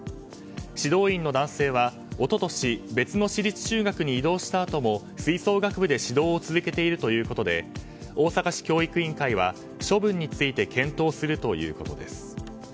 指導員の男性は一昨年、別の私立中学に異動したあとも吹奏楽部で指導を続けているということで大阪市教育委員会は処分について速報です。